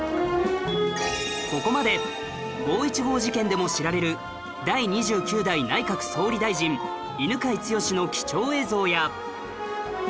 ここまで五・一五事件でも知られる第２９代内閣総理大臣犬養毅の貴重映像や